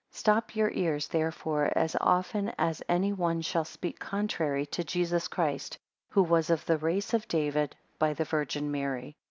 10 Stop your ears therefore, as often as any one shall speak contrary to Jesus Christ, who was of the race of David; by the Virgin Mary.